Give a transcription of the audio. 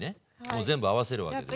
全部合わせるわけでしょ。